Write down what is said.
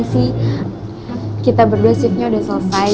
sih kita berdua shiftnya udah selesai